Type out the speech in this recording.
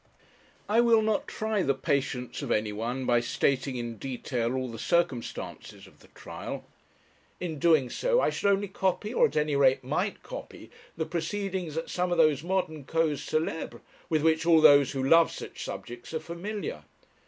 I will not try the patience of anyone by stating in detail all the circumstances of the trial. In doing so I should only copy, or, at any rate, might copy, the proceedings at some of those modern causes célèbres with which all those who love such subjects are familiar.